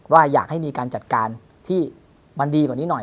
ว่าอยากให้มีการจัดการที่มันดีกว่านี้หน่อย